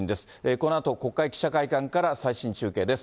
このあと国会記者会館から最新中継です。